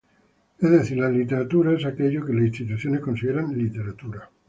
Es decir, la literatura es aquello que las instituciones consideran literatura.